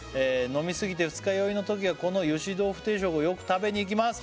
飲みすぎて二日酔いのときはこのゆし豆腐定食をよく食べにいきます